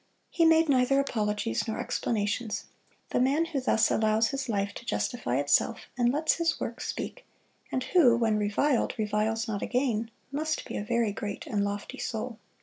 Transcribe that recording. He made neither apologies nor explanations. The man who thus allows his life to justify itself, and lets his work speak, and who, when reviled, reviles not again, must be a very great and lofty soul.